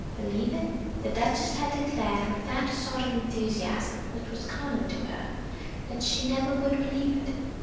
Believe it! The Duchess had declared with that sort of enthusiasm which was common to her, that she never would believe it.